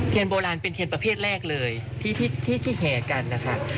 โบราณเป็นเคนประเภทแรกเลยที่แห่กันนะคะ